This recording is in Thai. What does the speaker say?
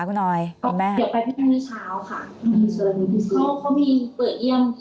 กูนอยแหมคุณแม่อ๋อเดี๋ยวไปตรงชาวค่ะ